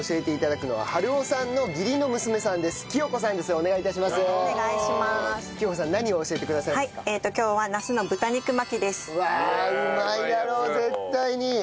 うまいだろう絶対に！